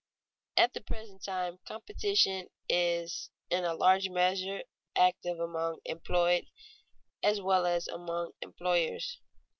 _ At the present time competition is in a large measure active among employed as well as among employers.